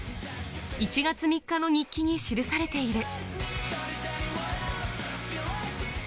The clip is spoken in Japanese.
１月３日の日記に記されている。